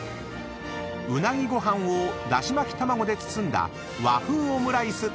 ［うなぎご飯をだし巻き卵で包んだ和風オムライス。